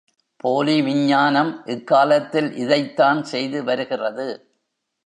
போலி விஞ்ஞானம் இக்காலத்தில் இதைத்தான் செய்து வருகிறது.